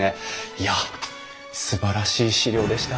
いやすばらしい資料でした。